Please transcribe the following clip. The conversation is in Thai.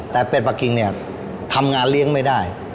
แต่เป็ดปะกิทำงานเลี้ยงไม่ได้